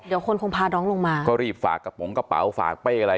เดี๋ยวคนคงพาน้องลงมาก็รีบฝากกระเป๋ากระเป๋า